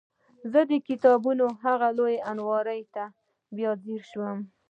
زه د کتابونو هغې لویې المارۍ ته بیا ځیر شوم